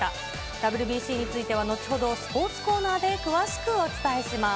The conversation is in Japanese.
ＷＢＣについては、後ほどスポーツコーナーで詳しくお伝えします。